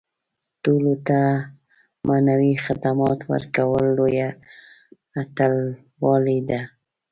ټولنو ته معنوي خدمات ورکول لویه اتلولي ده.